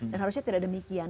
dan harusnya tidak demikian